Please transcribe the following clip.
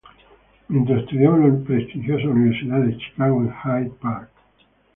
Mientras estudiaba en la prestigiosa Universidad de Chicago en Hyde Park.